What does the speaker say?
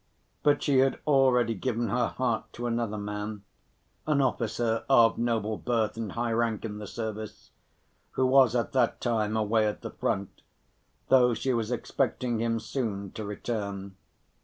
But she had already given her heart to another man, an officer of noble birth and high rank in the service, who was at that time away at the front, though she was expecting him soon to return.